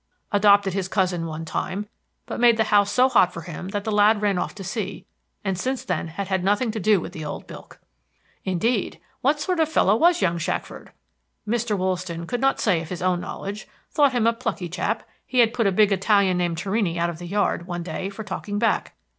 Adopted his cousin, one time, but made the house so hot for him that the lad ran off to sea, and since then had had nothing to do with the old bilk. Indeed! What sort of fellow was young Shackford? Mr. Wollaston could not say of his own knowledge; thought him a plucky chap; he had put a big Italian named Torrini out of the yard, one day, for talking back.